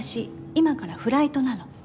今からフライトなの。